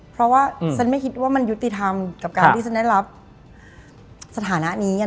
เพราะว่าฉันไม่คิดว่ามันยุติธรรมกับการที่ฉันได้รับสถานะนี้